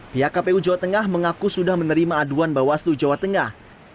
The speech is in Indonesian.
pihak kpu jawa tengah mengaku sudah menerima aduan bawaslu jawa tengah